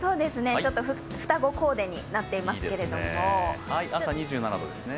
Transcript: ちょっと双子コーデになっていますけれども朝２７度ですね。